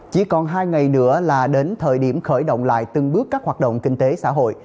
chỉ còn hai ngày nữa là đến thời điểm khởi động lại từng bước các hoạt động kinh tế xã hội